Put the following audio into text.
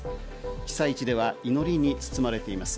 被災地では祈りに包まれています。